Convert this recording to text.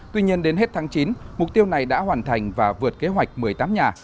tuy nhiên đến hết tháng chín mục tiêu này đã hoàn thành và vượt kế hoạch một mươi tám nhà